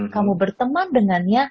kamu berteman dengannya